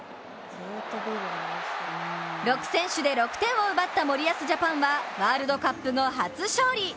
６選手で６点を奪った森保ジャパンはワールドカップ後初勝利。